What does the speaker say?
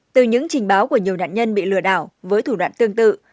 từ những trình báo của nhiều nạn nhân bị lừa đảo với thủ đoạn tương tự